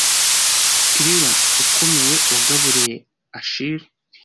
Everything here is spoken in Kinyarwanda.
Chiron ukomeye wagaburiye Achille